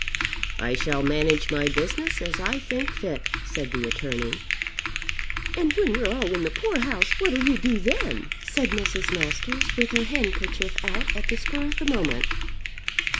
"I shall manage my business as I think fit," said the attorney. "And when we're all in the poor house what'll you do then?" said Mrs. Masters, with her handkerchief out at the spur of the moment.